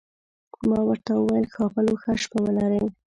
ما ورته وویل: ښاغلو، ښه شپه ولرئ.